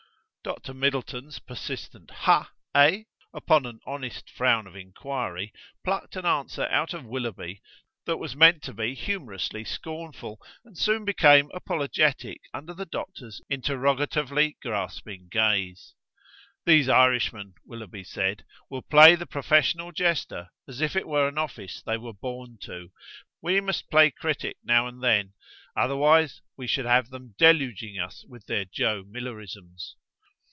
Dr Middleton's persistent ha? eh? upon an honest frown of inquiry plucked an answer out of Willoughby that was meant to be humourously scornful, and soon became apologetic under the Doctor's interrogatively grasping gaze. "These Irishmen," Willoughby said, "will play the professional jester as if it were an office they were born to. We must play critic now and then, otherwise we should have them deluging us with their Joe Millerisms."